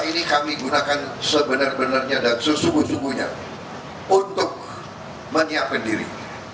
ini kami gunakan sebenar benarnya dan sesungguh sungguhnya untuk menyiapkan diri